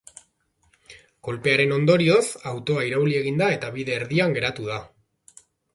Kolpearen ondorioz, autoa irauli egin da eta bide erdian geratu da.